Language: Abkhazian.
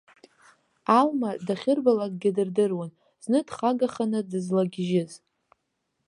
Алма дахьырбалакгьы дырдыруан зны дхагаханы дызлагьежьыз.